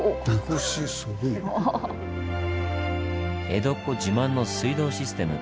江戸っ子自慢の水道システム